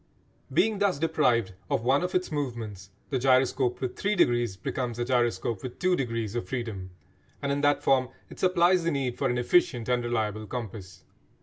Being thus deprived of one of its movements the gyroscope with three degrees becomes a gyroscope with two degrees of freedom, and in that form it supplies the need for an efficient and reliable compass.